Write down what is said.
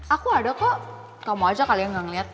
aku ada kok kamu aja kali yang gak ngeliat